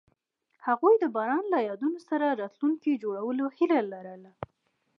هغوی د باران له یادونو سره راتلونکی جوړولو هیله لرله.